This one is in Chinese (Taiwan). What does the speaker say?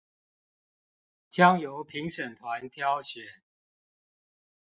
將由評審團挑選